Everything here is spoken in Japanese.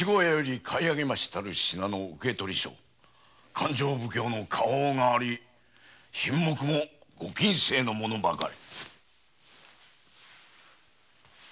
勘定奉行の「花押」があり品目もご禁制のものばかり。